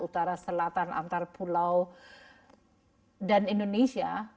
utara selatan antar pulau dan indonesia